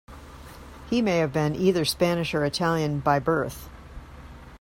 He may have been either Spanish or Italian by birth.